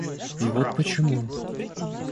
И вот почему.